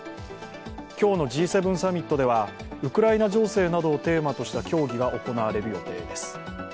今日のＧ７サミットでは、ウクライナ情勢などをテーマとした協議が行われる予定です。